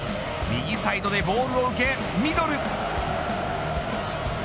右サイドでボールを受けミドル。